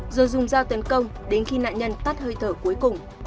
rồi dùng dao tấn công đến khi nạn nhân tắt hơi thở cuối cùng